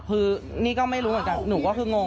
คือนี่ก็ไม่รู้เหมือนกันหนูก็คืองง